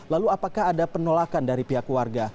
lalu apakah ada penolakan dari pihak warga